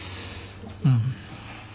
うん。